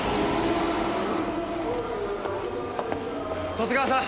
十津川さん。